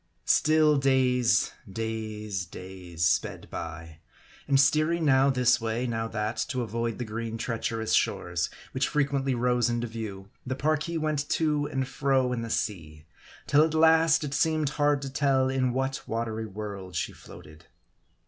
STILL days, days, days sped by ; and steering now this way, now that, to avoid the green treacherous shores, which frequently rose into view, the Parki went to and fro in the sea ; till at last, it seemed hard to ^tell, in what wa tery world she floated.